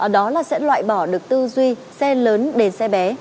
đó là sẽ loại bỏ được tư duy xe lớn đèn xe bé